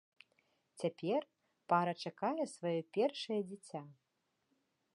Цяпер пара чакае сваё першае дзіця.